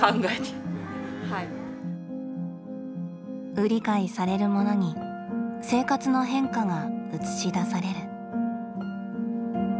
売り買いされるものに生活の変化が映し出される。